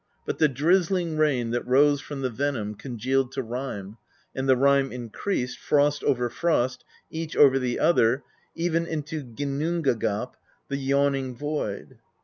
But the drizzling rain that rose from the venom congealed to rime, and the rime increased, frost over frost, each over the other, even into Ginnungagap, the Yawning Void."